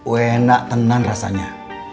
wena tenan rasanya